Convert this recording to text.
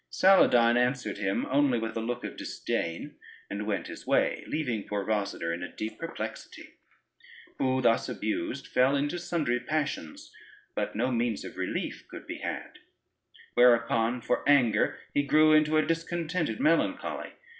Saladyne answered him only with a look of disdain, and went his way, leaving poor Rosader in a deep perplexity; who, thus abused, fell into sundry passions, but no means of relief could be had: whereupon for anger he grew into a discontented melancholy.